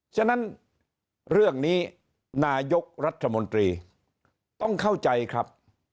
ฉะนั้นเรื่องนี้นายกรัฐมนตรีต้องเข้าใจครับ